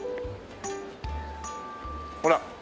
ほら。